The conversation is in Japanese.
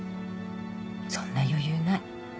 そんな余裕ない。